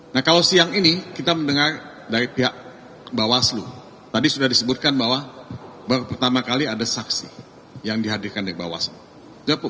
nah kalau siang ini kita mendengar dari pihak bawaslu tadi sudah disebutkan bahwa pertama kali ada saksi yang dihadirkan dari bawaslu